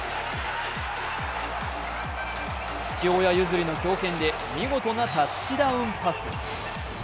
父親譲りの強肩で、見事なタッチダウンパス。